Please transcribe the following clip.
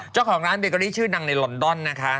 เจ้าของร้านเบเกอรี่ชื่อดังในลอนดอนนะคะ